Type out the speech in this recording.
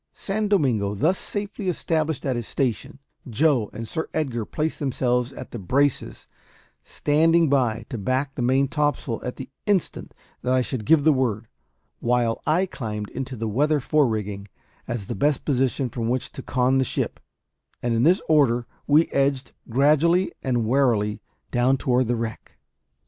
San Domingo thus safely established at his station, Joe and Sir Edgar placed themselves at the braces, standing by to back the main topsail at the instant that I should give the word; while I climbed into the weather fore rigging, as the best position from which to con the ship; and in this order we edged gradually and warily down toward the wreck.